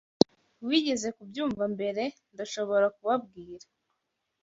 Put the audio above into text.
Wigeze kubyumva mbere, ndashobora kubabwira.